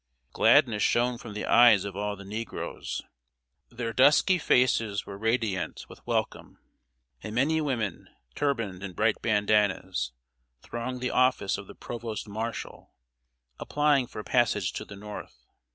Gladness shone from the eyes of all the negroes. Their dusky faces were radiant with welcome, and many women, turbaned in bright bandanas, thronged the office of the provost marshal, applying for passage to the North.